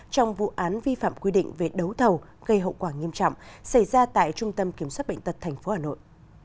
trong vụ án vi phạm quy định về đấu thầu gây hậu quả nghiêm trọng xảy ra tại trung tâm kiểm soát bệnh tật tp hà nội